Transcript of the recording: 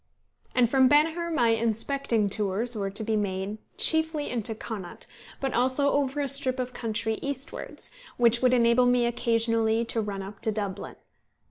And from Banagher my inspecting tours were to be made, chiefly into Connaught, but also over a strip of country eastwards, which would enable me occasionally to run up to Dublin.